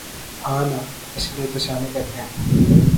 ہاں نا اسی لئے تو سیانے کہتے ہیں